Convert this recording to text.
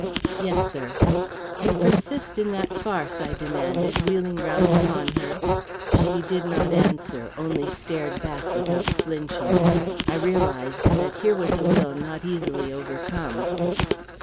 "Yes, sir." "You persist in that farce?" I demanded, wheeling round upon her. She did not answer, only stared back without flinching. I realised that here was a will not easily overcome.